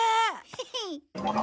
ヘヘッ！